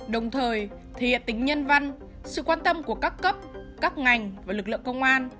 đồng thời thể hiện tính nhân văn sự quan tâm của các cấp các ngành và lực lượng công an